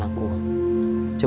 biar aku nyantai